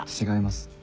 違います。